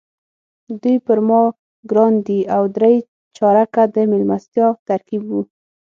دوی پر ما ګران دي او درې چارکه د میلمستیا ترکیب وو.